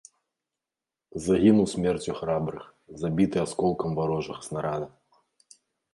Загінуў смерцю храбрых, забіты асколкам варожага снарада.